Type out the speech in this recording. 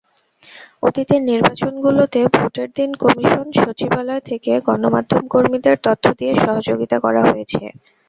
অতীতের নির্বাচনগুলোতে ভোটের দিন কমিশন সচিবালয় থেকে গণমাধ্যমকর্মীদের তথ্য দিয়ে সহযোগিতা করা হয়েছে।